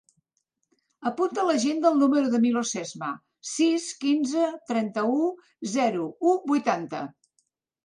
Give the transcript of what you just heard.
Apunta a l'agenda el número del Milos Sesma: sis, quinze, trenta-u, zero, u, vuitanta.